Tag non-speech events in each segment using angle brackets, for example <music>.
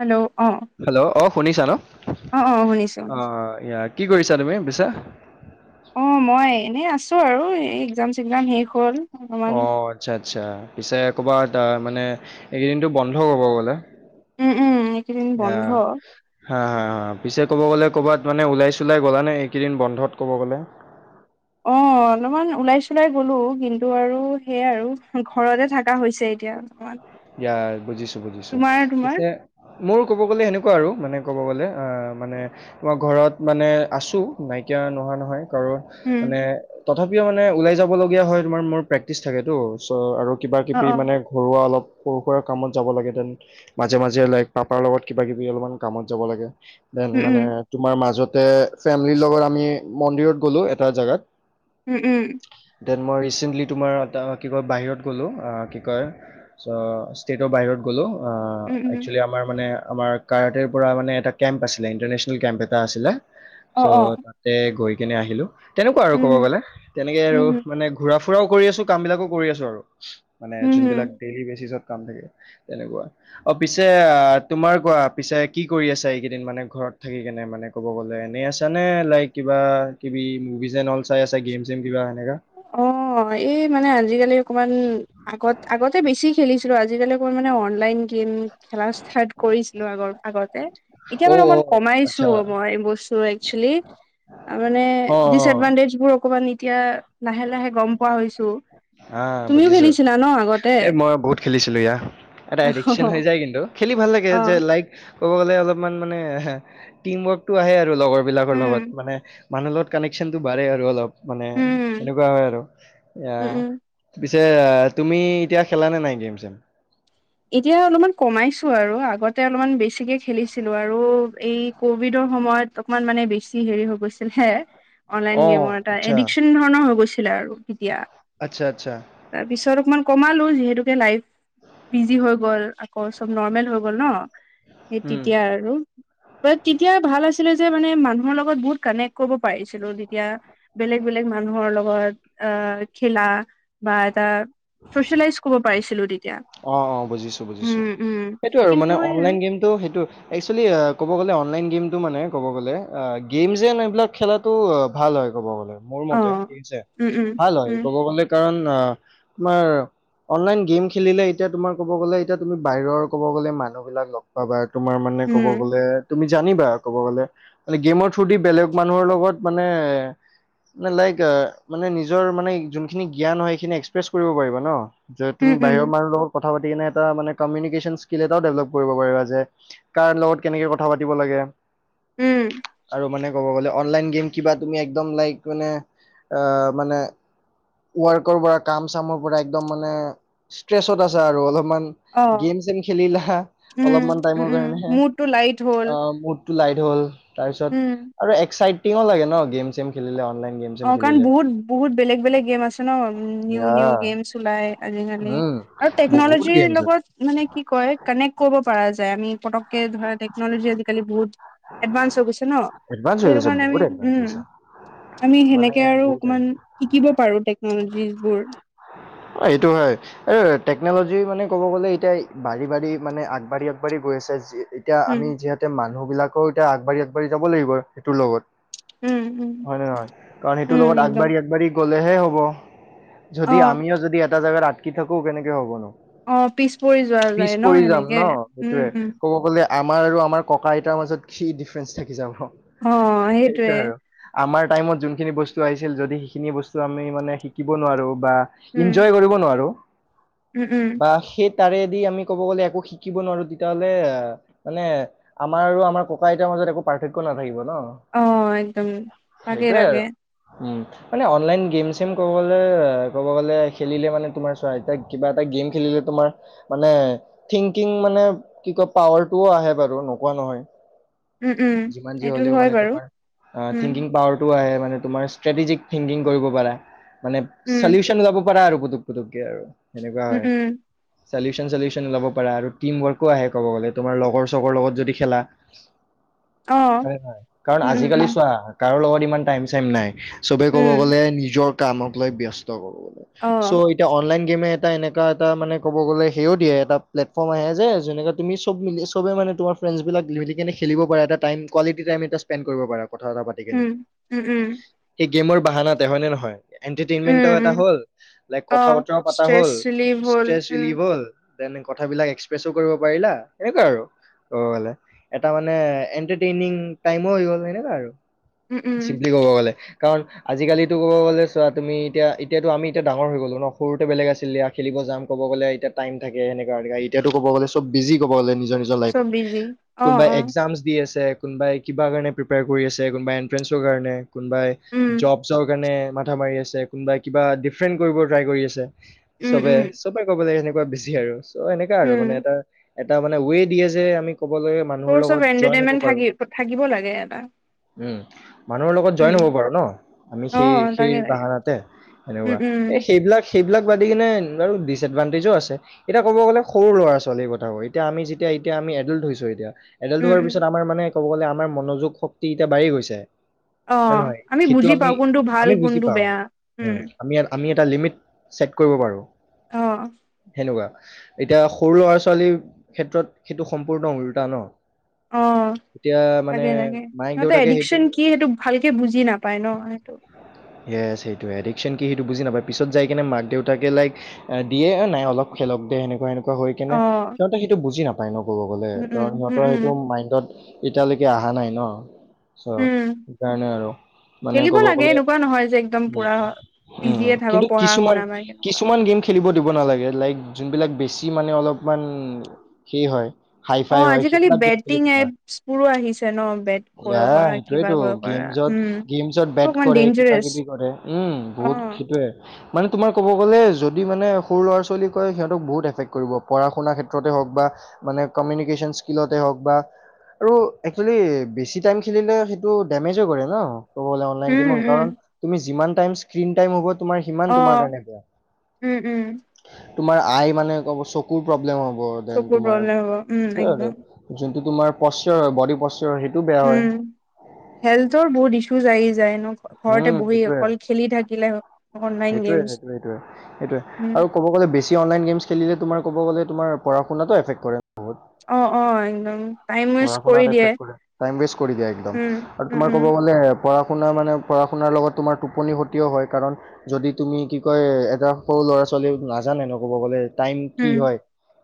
Hello অ hello, অ, শুনিছা ন, অ অ শুনিছো অ শুনিছো কি কৰিছা তুমি পিছে। অহ মই এনেই আছোঁ আৰু এই একজাম চেকজাম শেষ হ'ল। অকমান অ, আচ্ছা, আচ্ছা, পিছে কবাত মানে এইকেইদিনটো বন্ধ কব গ'লে। উম উম এইকেইদিন বন্ধ আহ। হা, হা পিছে ক'ব গ'লে ক'ৰবাত মানে ওলাই চোলাই গ'লা নে এইকেইদিন বন্ধত ক'ব গ'লে। অহ। অলপমান ওলাই চলাই গলো কিন্তু আৰু সেইয়া আৰু ঘৰতে থাকা হৈছে এতিয়া। অকমান। ইয়াৰ বুজিছো বুজিছো পিছে। মোৰ ক'ব গ'লে সেনেকুৱা আৰু মানে ক'ব গ'লে মানে। মই ঘৰত মানে আছোঁ নাইকিয়া নোহোৱা নহয় কাৰণ উম মানে তথাপিও মানে ওলাই যাব লগীয়া হয় তোমাৰ মোৰ প্ৰেক্টিচ থাকেটো। চ আৰু অ কিবাকিবি অ মানে ঘৰুৱা অলপ। সৰু সুৰা কামত যাব লাগে দেন মাজে মাজে লাইক পাপাৰ লগত কিবা কিবি অলপমান কামত যাব লাগে। দেন উম উম মানে তোমাৰ মাজতে ফেমিলিৰ লগত আমি মন্দিৰত গ'লো এটা জেগাত। উম, উম। দেন মই ৰিচেণ্টলি তোমাৰ এটা কি কয় বাহিৰত গ'লোঁ কি কয় ছ'। ইষ্টেতৰ বাহিৰত গ'লো আ উম উম একচোৱেলি আমাৰ মানে আমাৰ কাৰাটৰ পৰা মানে এটা কেম্প আছিলে ইণ্টাৰনেচনেল কেম্প এটা আছিলে। অ চ' অ তাতে গৈ কেনে আহিলো তেনেকুৱা আৰু উম কব উম গলে তেনেকে আৰু উম মানে। ঘূৰা ফুৰাও কৰি আছো কাম বিলাকো কৰি আছো আৰু মানে উম উম যোনবিলাক ডেইলি বেচিছত কাম থাকে। তেনেকুৱা। অ পিছে আহ তোমাৰ কোৱা পিছে কি কৰি আছে এইকেইদিন মানে ঘৰত থাকি কেনে মানে? ক'ব গ'লে এনেই আছা নে লাইক কিবা কিবি মুভিজ এন অল চাই আছা গেম চেম কিবা সেনেকা অহ এই মানে আজিকালি অকণমান। আগত আগতে বেছি খেলিছিলো আজিকালি অকমান মানে অনলাইন গেম। খেলা ষ্টাৰ্ট কৰিছিলো আগৰ আগতে। এতিয়া অ মানে অ অকমান কমাইছো আচ্ছা মই বস্তু একচেলি। তা মানে অ অ ডিচএডভানটেজ বোৰ অকমান এতিয়া লাহে লাহে গম পোৱা হৈছো। হা তুমিও বুজিছোঁ খেলিছিলা ন আগতে এ মই বহুত খেলিছিলো এইয়া এটা এডিকচন হৈ যায় কিন্তু খেলি ভাল লাগে অ যে লাইক ক'ব গ'লে অলপমান মানে টিম ৱৰ্কটো আহে আৰু লগৰ বিলাকৰ উম লগত মানে মানুহৰ লগত কনেকশ্যনটো বাঢ়ে আৰু অলপ মানে উম সেনেকুৱা হয় আৰু এয়া উম উম পিছে তুমি এতিয়া খেলানে নাই গেম চেম এতিয়া অলপমান কমাইছো আৰু আগতে অলপমান বেছিকে খেলিছিলো আৰু এই কভিডৰ সময়ত অকমান মানে বেছি হেৰি হৈ গৈছিল হে অনলাইন অ গেমৰ এটা আচ্ছা এডিকশ্যন ধৰণৰ হৈ গৈছিলে আৰু তেতিয়া আচ্ছা আচ্ছা তাৰপিছত অকমান কমালো যিহেতুকে লাইফ বিজি হৈ গ'ল আকৌ চব নৰ্মেল হৈ গ'ল ন সেই উম তেতিয়া আৰু বাট তেতিয়া ভাল আছিলে যে মানে মানুহৰ লগত বহুত কানেক্ট কৰিব পাৰিছিলো তেতিয়া বেলেগ বেলেগ মানুহৰ লগত আহ খেলা বা এটা চচিয়েলাইজ কৰিব পাৰিছিলো তেতিয়া অ অ বুজিছো বুজিছো উম উম সেইটো আৰু কিন্তু মানে এই আৰু অনলাইন গেমটো সেইটো একচুয়েলী ক'ব গ'লে অনলাইন গেমটো মানে ক'ব গ'লে গেম যেন এইবিলাক খেলাত টো ভাল হয় ক'ব গ'লে মোৰ মতে অ', ঠিক আছে উম, উম, ভাল হয় উম, ক'ব গলে কাৰণ তোমাৰ অনলাইন গেম খেলিলে এতিয়া তোমাৰ কব গ'লে এতিয়া তুমি বাহিৰৰ ক'ব গ'লে মানুহবিলাক লগ পাবা তোমাৰ মানে ক'ব উম, গ'লে তুমি জানিবা ক'ব গ'লে মানে গেমৰ থ্ৰু দি বেলেগ মানুহৰ লগত মানে নে লাইক মানে নিজৰ মানে যোনখিনি জ্ঞান হয় সেইখিনি এক্সপ্ৰেছ কৰিব পাৰিবা ন, য তুম উম, উম, লগত কথা পাতি কিনে এটা মানে মিউনিকেশ্যন স্কিল এটাও ডেভেলপ কৰিব পাৰিবা যে কাৰ লগত কেনেকে কথা পাতিব লাগে। উম। ত' মানে ক'ব গ'লে অনলাইন গেম কিবা তুমি একদম লাইক মানে আ মানে ৱৰ্কৰ পৰা কাম চামৰ পৰা একদম মানে ষ্ট্ৰেচত আছা আৰু অলপমান অ', গেম চেম খেলিলা উম, অলপমান উম, টাইমৰ উম, কাৰণেহে মুডটো লাইট হ'ল, অঁ মোদ টো লাইদ হ'ল তাৰপিছত উম, আৰু এক্সাইটিঙো লাগে ন গেম চেম খেলিলে অনলাইন গেম চেম অ কাৰণ খেলিলে বহুত বহুত বেলেগ বেলেগ গেম আছ আছে ন নিউ নিউ ইয়া গেমছ ওলাই আজিকালি উম, আৰু বহুত টেকন'লজিৰ গেমছ আছে, লগত মানে কি কয় কানেক্ট কৰিব পৰা যায় আমি পতককে ধৰা টেকন'লজি আজিকালি বহুত এদভান্স হৈ গৈছে ন? এডভান্স হৈ সেইটো গৈছে, কাৰণে বহুত আমি এডভান্স উম। হৈছে। আমি মানে সেনেকে আৰু বহুতে, অকমান শিকিব পাৰোঁ টেকন'লজিবোৰ। অঁ সেইটো হয়। এ টেকন'লজি মানে ক'ব গ'লে এতিয়া বাঢ়ি বাঢ়ি মানে আগবাঢ়ি আগবাঢ়ি গৈ আছে। যে এতিয়া উম, আমি যিহেতু মানুহ বিলাকেও এতিয়া আগবাঢ়ি আগবাঢ়ি যাব লাগিব আৰু, সেইটোৰ লগত। উম, উম, হয়নে নহয়? কাৰণ সেইটোৰ উম, লগত একদম আগবাঢ়ি আগবাঢ়ি গ'লেহে হ'ব। যদি অ', আমিও যদি এটা জাগাত আটকি থাকো কেনেকে হ'ব নো। অ পিছ পৰি যোৱা যায় ন সেনেকে ন' সেইটোয়ে। উম উম। ক'ব গ'লে আমাৰ আৰু আমাৰ ককা আইতাৰ মাজত কি ডিফেৰেঞ্চ থাকি যাব। সেইটোৱে আৰু আমাৰ টাইমত যোনখিনি বস্তু আহিছিল যদি সেইখিনি বস্তু আমি মানে শিকিব নোৱাৰোঁ বা উম ইনজয় কৰিব নোৱাৰোঁ উম উম বা সেই তাৰেদি আমি ক'ব গ'লে একো শিকিব নোৱাৰোঁ তেতিয়া হ'লে মানে, মানে আমাৰ আৰু আমাৰ ককা - আইতাৰ মাজত একো পাৰ্থক্য নাথাকিব ন। অঁ একদম তাকে সেইটোয়ে তাকে। আৰু উম, মানে অনলাইন গেম চেম ক'ব গ'লে ক'ব গ'লে খেলিলে মানে তোমাৰ চোৱা এতিয়া কিবা এটা গেম খেলিলে তোমাৰ মানে থিংকিং মানে কি কয় পাৱাৰটোও আহে বাৰু নোকোৱা নহয়। উম উম যিমান যি এইটো হ'লেও হয় মানে বাৰু তোমাৰ আ উম থিংকিং পাৱাৰ টো আহে মানে তোমাৰ ষ্ট্ৰেটেজিক থিংকিং কৰিব পাৰা মানে উম ছ'লিউচন ওলাব পাৰা আৰু পুতুক পুতুককে আৰু সেনেকুৱা উম হয় উম ছ'লিউচন ছ'লিউচন ওলাব পাৰা আৰু টিম ৱৰ্ক কো আহে ক'ব গ'লে তোমাৰ লগৰ চগৰ লগত যদি খেলা। অ হয় নহয়? কাৰণ উম উম আজিকালি উম চোৱা কাৰো লগত ইমান টাইম চাইম নাই। চবে ক'ব উম গ'লে নিজৰ কামক লৈ ব্যস্ত ক'ব গ'লে, অ চ' এতিয়া অনলাইন গেমে এটা এনেকা এটা মানে ক'ব গ'লে সেও দিয়ে এটা প্লেটফৰ্ম আহে যে যেনেকে তুমি চব মিলি চবে মানে তোমাৰ ফ্ৰেইণ্ডছ বিলাক মিলিকেনে খেলিব পাৰা এটা টাইম কোৱালিটী টাইম এটা ইচপেন্দ কৰিব পাৰা কথা চথা পাতি কেনে, উম উম উম সেই গেমৰ বাহানাতে হয় নে নহয়? এনটাৰটেইনমেন্ট উম এটা উম হ'ল, লাইক অ কথা বতৰাও পতা ষ্ট্ৰেছ হ'ল, ৰিলিভ হ'ল ষ্ট্ৰেচ উম ৰিলিভ হ'ল। দেন কথাবিলাক এক্সপ্ৰেছো কৰিব পাৰিলা, এনেকোৱাই আৰু। ক'ব গ'লে, এটা মানে এন্টাৰটেইনিং টাইমও হৈ গ'ল হয়নে বাৰু। উম উম চিম্পলি ক'ব গ'লে। কাৰণ আজিকালিতো ক'ব গ'লে চোৱা তুমি এতিয়া এতিয়াতো আমি এতিয়া ডাঙৰ হৈ গ'লো ন, সৰুতে বেলেগ আছিল দিয়া। খেলিব যাম ক'ব গ'লে এতিয়া টাইম থাকে, সেনেকুৱা এতিয়াতো ক'ব গ'লে- চব বিজি ক'ব গ'লে নিজৰ নিজৰ চব লাইফট, বিজি অ কোনোবাই অ একজামছ দি আছে। কোনোবাই কিবা কাৰণে প্ৰিপেয়াৰ কৰি আছে, কোনোবাই এনট্ৰেঞ্চৰ কাৰণে, কোনোবাই উম জবছৰ কাৰণে মা মাথা মাৰি আছে, কোনোবাই কিবা ডিফেৰেণ্ট কৰিব ট্ৰাই কৰি আছে উম চবে উম চবেই ক'ব গ'লে সেনেকুৱা বিজি আৰু চ এনেকোৱা আৰু উম মানে এটা এটা মানে ৱে দিয়ে যে আমি ক'বলৈ ম- এইবোৰ চব এন্টাৰটেইনমেন্ট থাকি থাকিব লাগে এটা। উম, মানুহৰ লগত উম জয়েন হ'ব উম পাৰোঁ ন, আমি অ সেই সেই তাকে তাকে বাহানাতে। উম সেনেকুৱা, উম এই সেইবিলাক সেইবিলাক বাদ কিনে বাৰু ডিচ এডভানটেজো আছে। এতিয়া ক'ব গ'লে সৰু ল'ৰা ছোৱালীৰ <unintelligible> এতিয়া আমি যেতিয়া এতিয়া আমি এদল্ড হৈছো এতিয়া, এদল্ড উম হোৱাৰ উম পিছত আমাৰ মানে- ক'ব গ'লে আমাৰ মনোযোগ শক্তি, এতিয়া বাঢ়ি গৈছে। অ হয় নহয় আমি সেইটো বুজি পাওঁ কোনটো ভাল আমি-আমি বুজি কোনটো পাও, বেয়া উম। আমি-আমি এটা লিমিট ছেট কৰিব পাৰো। অহ', সেনেকুৱা, এতিয়া সৰু ল'ৰা ছোৱালীৰ ক্ষেত্ৰত সেইটো সম্পূৰ্ণ ওলোটা ন। অ', এতিয়া মানে লাগে-লাগে, মায়েক সিহঁতে দেউতাকে সেইটো এডিকচন কি সেইটো ভালকে বুজি নাপায় ন সেইটো। য়েছ সেইটোৱেই, এডিকশ্যন কি সেইটো বুজি নাপায়, পিছত যাই কিনে মাক দেউতাকে লাইক দিয়ে নাই অলপ খেলক দি সেনেকুৱা এনেকুৱা হৈ অ কিনে সিহঁতে সেইটো বুজি নাপায় ন ক'ব গ'লে উম উম কাৰণ উম সিহঁতৰ সেইটো উম মাইণ্ডত এতিয়ালৈকে অহা নাই ন, চ উম সেইকাৰণে আৰু। মানে খেলিব ক'ব লাগে গ'লে এনেকুৱা নহয় যে একদম পুৰা উম-উম, বিজিয়ে থাকক কিন্তু পঢ়া শুনা বা কেনেকুৱা কিছুমান-কিছুমান গেম খেলিব দিব নালাগে, লাইক যোনবিলাক বেছি মানে অলপমান সেই হয়। হাই অ, ফাই হয় আজিকালি সেইবিলাক গেম বেটিং খেলিব নোৱাৰে এপছ বোৰো আহিছে ন বেট কৰিব পৰা। কিবা সেইটো, কৰিব পৰা গেমছত উম গেমছত এইবোৰ বেট অকমান কৰে, কিবা ডেঞ্জাৰাছ কিবি কৰে উম, অ বহুত সেইটোৱে। মানে তোমাৰ ক'ব গ'লে যদি মানে সৰু ল'ৰা-ছোৱালী কয় সিহঁতক বহুত এফেক্ট কৰিব। পঢ়া শুনাৰ ক্ষেত্ৰতে হওক বা মানে কমিউনিকেশ্যন স্কিলতে হওক বা আৰু একচুৱেলি বেছি টাইম খেলিলে সেইটো ডেমেজো কৰে ন। ক'ব গ'লে অনলাইন উম গেমৰ উম কাৰণ তুমি যিমান টাইম স্ক্ৰীণ টাইম হ'ব তোমাৰ সিমান অ তোমাৰ কাৰণে বেয়া। উম উম তোমাৰ আই মানে ক'ব চকুৰ প্ৰব্লেম হ'ব দেন চকুৰ প্ৰব্লেম হ'ব তোমাৰ উম একদম <unintelligible> যোনটো তোমাৰ পশ্বয়াৰ হয়, বডি পশ্বয়াৰ হয় সেইটোও বেয়া হয়। উম হেল্থৰ বহুত ঈশুজ আহি যায় ন। ঘৰতে উম বহি সেইটোয়ে অকল খেলি থাকিলে অনলাইন সেইটোৱে সেইটোৱে গেমছমস হ'ম। অনলাই গেমছ খেলিলে, তোমাৰ ক'ব গ'লে তোমাৰ পঢ়া শুনাটো এফক্ট কৰে। অ', অ', একদম। টাইম ৱেষ্ট পঢ়া কৰি শুনাত দিয়ে এফেক্ট কৰে, টাইম ৱেজ কৰি দিয়ে একদম উম আৰু তোমাৰ উম ক'ব গ'লে পঢ়া শুনা মানে পঢ়া শুনাৰ লগত তোমাৰ টোপনি ক্ষতিও হয় কাৰণ যদি তুমি কি কয় এটা সৰু ল'ৰা-ছোৱালী নাজানে ন ক'ব গ'লে। টাইম কি উম হয়,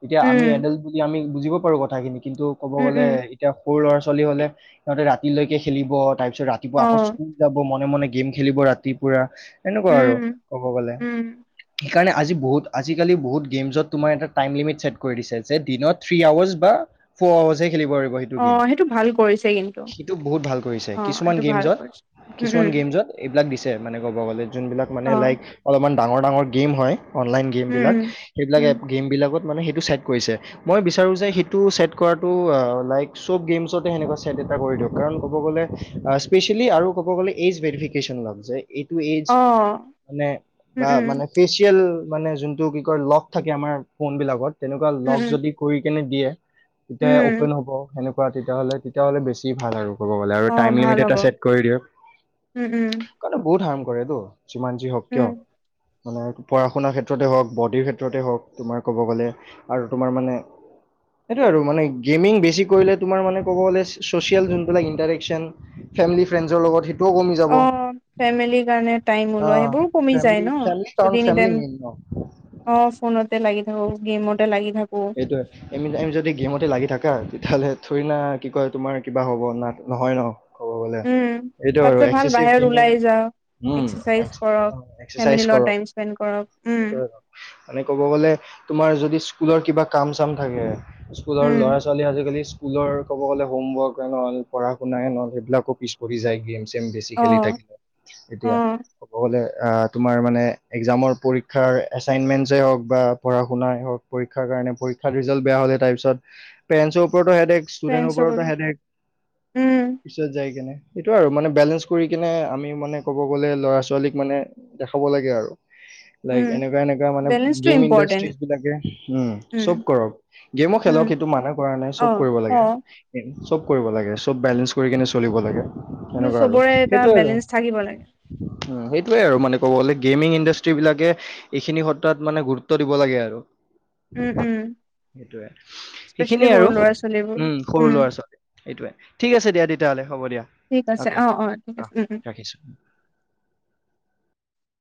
এতিয়া আমি উম এডল্ট আমি বুজিব পাৰো। কথাখিনি কিন্তু ক'ব উম উম গ'লে উম এতিয়া সৰু ল'ৰা-ছোৱালী হ'লে সিহঁতে ৰাতিলৈকে খেলিব তাৰপিছত ৰাতিপুৱা অ আকৌ স্কুল যাব মনে-মনে গেম খেলিব ৰাতি পুৰা এনেকুৱা উম আৰু ক'ব গ'লে। উম সেইকাৰণে আজি বহুত আজিকালি বহুত গেমছত তোমাৰ এটা টাইম লিমিট ছেট কৰি দিছে যে দিনত থ্ৰী আৱাৰচ বা ফৌৰ আৱাৰ্ছ খেলিব পাৰিব সি সেইটো অ গেম, ভাল কৰিছে কিন্তু সিটো বহুত ভাল কৰিছে অ কিছুমান এইটো ভাল কৰিছে উম গেমছত-কিছুমান উম গেমছত এইবিলাক দিছে মানে ক'ব গ'লে যোনবিলাক মানে অ লাইক অলপমান ডাঙৰ-ডাঙৰ গেম হয় অনলাইন গেম উম বিলাক, উম সেইবিলাক উম এপ গেম বিলাকত মানে সেইটো ছেট কৰিছে, মই বিচাৰো যে সেইটো ছেট কৰাটো অ, লাইক চব গেমছতে সেনেকুৱা ছেট এটা কৰি দিয়ক কাৰণ ক'ব গ'লে অ, ইচপেচিয়েলি আৰু ক'ব গ'লে এজ ভেৰিফিকেচন লাগে যে এটো এজ অ মানে উম বা উম মানে ইচপেচিয়েল মানে যোনটো কি কয় লক থাকে, আমাৰ ফোন বিলাকত তেনেকুৱা উম লক উম যদি কৰি কেনে দিয়ে তেতিয়া উম অপেন হ'ব সেনেকুৱা তেতিয়াহ'লে, তেতিয়াহ'লে বেছি ভাল আৰু। ক'ব গ'লে আৰু অ টাইম ভাল লিমিট হ'ব এটা ছেট কৰি দিও। উম উম কৰিলেও বহুত হাৰ্ম কৰে তো যিমান যি হওঁক উম কিয়। মানে পঢ়া শুনাৰ ক্ষেত্ৰতে হওঁক, বডিৰ ক্ষেত্ৰতে হওঁক তোমাৰ ক'ব গ'লে। আৰু তোমাৰ মানে, সেইটোৱে আৰু মানে গেমিং বেছি কৰিলে তোমাৰ মানে ক'ব গ'লে ছ'চিয়েল যোনবিলাক ইণ্টাৰেকচন ফেমিলি ফ্ৰেণ্ডছৰ লগত সেইটোও কমি অ যাব ফেমিলিৰ কাৰণে টাইম অ ওলোৱা সেইবোৰো কমি যায় ফেমিলি ন ফেমিলি কাৰণ যদি ফেমিলি এনিটাইম মেইন ন অ, ফোনতে লাগি থাকো, গেমতে লাগি থাকো। সেইটোৱে। এনিটাইম যদি গেমতে লাগি থাকা তেতিয়াহ'লে থৰি না কি কয় তোমাৰ কিবা হ'ব না নহয় ন' ক'ব গ'লে উম এইটো আৰু তাতছে ভাল এক্সেচিভ বাহিৰত গেমিং ওলাই যাও উম, এক্সাৰচাইজ এক্স, কৰক অ' এক্সেচাইজ ফেমিলিৰ লগত কৰক টাইম স্পেণ্ড কৰক উম সেইটো হয় বাৰু মানে ক'ব গ'লে তোমাৰ যদি স্কুলৰ কিবা কাম-চাম থাকে স্কুলৰ উম ল'ৰা ছো ল'ৰা-ছোৱালী আজিকালি স্কুলৰ ক'ব গ'লে হোমৱৰ্ক এন অলপ পঢ়া-শুনাই নহ'লে সেইবিলাকো পিছ পৰি যায় গেম গেম-চেম বেছি অ খেলি থাকিলে অ এতিয়া ক'ব গ'লে অ, তোমাৰ মানে এগজামৰ পৰীক্ষাৰ এচাইনমেণ্ট হওঁক বা পঢ়া-শুনাই হওঁক পৰীক্ষাৰ কাৰণে পৰীক্ষাৰ ৰিজাল্ট বেয়া হ'লে তাৰ পিছত পেৰেণ্টছৰ ওপৰতো হেডেক্ট ষ্টুডেণ্টৰ ফ্ৰেণ্ডছৰ ওপৰতো লগত হেডেক্ট উম পিছত যাই কেনে এইটো আৰু মানে বেলেন্স কৰি কেনে আমি মানে ক'ব গ'লে ল'ৰা-ছোৱালীক মানে দেখাব লাগে আৰু লাইক উম এনেকুৱা, এনেকুৱা মানে বেলেঞ্চটো গেম ইম্পৰ্টেণ্ট ইণ্ডাষ্ট্ৰীজ বিলাকে উম, চব কৰক গেমো উম খেলক সেইটো মানে কৰা নাই অ চব কৰিব অ লাগে চব কৰিব লাগে, চব বেলেন্স কৰি কেনে চলিব লাগে। কিন্তু এনেকুৱা আৰু চবৰে এটা সেইটো আৰু বেলেঞ্চ থাকিব লাগে উম', সেইটোয়ে আৰু মানে ক'ব গ'লে গেমিং ইণ্ডাষ্ট্ৰ্ৰী বিলাকে এইখিনি ক্ষেত্ৰত মানে গুৰুত্ব দিব লাগে আৰু উম, উম সেইটোৱে, স্পেচিয়েলি সেইখিনিয়ে সৰু আৰু ল'ৰা ছোৱালীবোৰ উম, সৰু উম ল'ৰা- ছোৱালী এইটোৱে ঠিক আছে দিয়া তেতিয়া হ'লে হ'ব দিয়া ঠিক আছে অকে ঠিক অ, আছে উম উম ৰাখিছো।